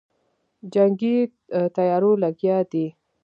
جنګي تیاریو لګیا دی.